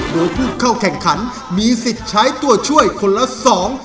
โดยผู้เข้าแข่งขันมีสิทธิ์ใช้ตัวช่วยคนละสอง